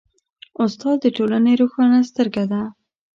استاد د ټولنې روښانه سترګه ده.